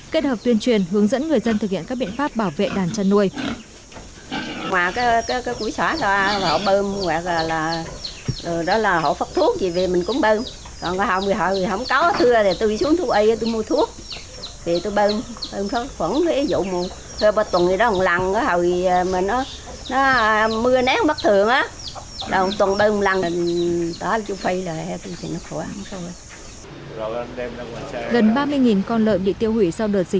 kết hợp tuyên truyền hướng dẫn người dân thực hiện các biện pháp bảo vệ đàn chăn nuôi